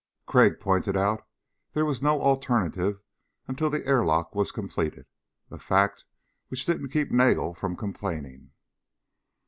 Crag pointed out there was no alternative until the airlock was completed, a fact which didn't keep Nagel from complaining.